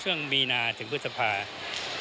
ช่วงมีนาถึงพฤษภา